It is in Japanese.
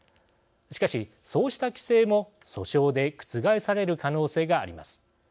しかし、そうした規制も訴訟で覆される可能性があります。